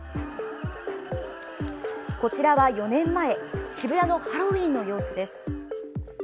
こちらは４年前渋谷のハロウィーンの様子です。